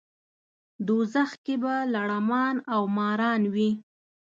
دوزخ کې به لړمان او ماران وي.